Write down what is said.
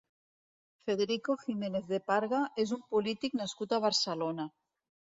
Federico Jiménez de Parga és un polític nascut a Barcelona.